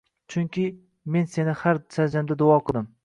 Chunki men seni har sajdamda duo qildim